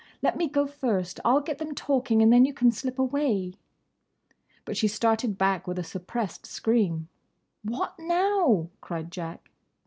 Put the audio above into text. Let me go first. I'll get them talking, and then you can slip away." But she started back with a suppressed scream. "What now?" cried Jack.